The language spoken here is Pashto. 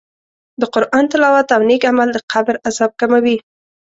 د قرآن تلاوت او نېک عمل د قبر عذاب کموي.